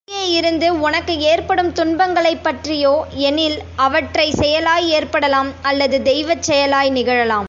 வெளியேயிருந்து உனக்கு ஏற்படும் துன்பங்களைப் பற்றியோ எனில், அவற்றை செயலாய் ஏற்படலாம், அல்லது தெய்வச் செயலாய் நிகழலாம்.